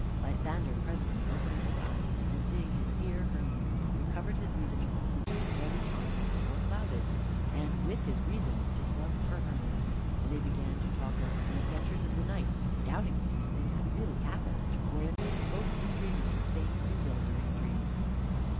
Lysander presently opening his eyes, and seeing his dear Hermia, recovered his reason which the fairy charm had before clouded, and with his reason, his love for Hermia; and they began to talk over the adventures of the night, doubting if these things had really happened, or if they had both been dreaming the same bewildering dream.